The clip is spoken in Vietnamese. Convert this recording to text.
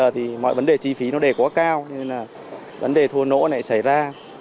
bây giờ thì mọi vấn đề chi phí nó đề quá cao nên là vấn đề thua nỗ này xảy ra